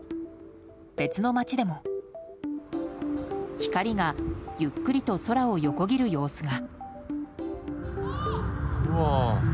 別の町でも光がゆっくりと空を横切る様子が。